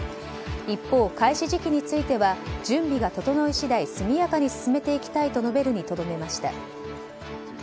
一方、開始時期については準備が整い次第速やかに進めていきたいと述べるにとどめました。